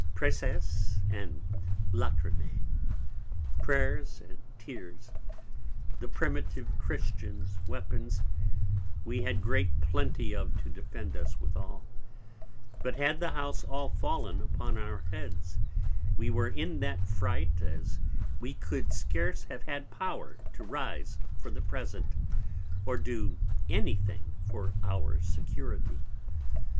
Preces & Lachrimcæ, Prayers and Tears, the Primitive Christians Weapons, we had great Plenty of to defend us withal; but had the House all fallen upon our Heads, we were in that Fright as we could scarce have had Power to rise for the present, or do any thing for our Security.